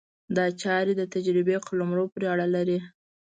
دا چارې د تجربې قلمرو پورې اړه لري.